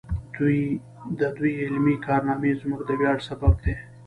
د دوی علمي کارنامې زموږ د ویاړ سبب دی.